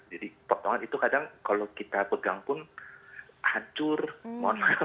jadi potongan itu kadang kalau kita pegang pun ancur mohon maaf ya